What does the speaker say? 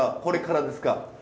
これからですか？